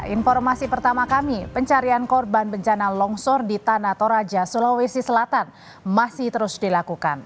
informasi pertama kami pencarian korban bencana longsor di tanah toraja sulawesi selatan masih terus dilakukan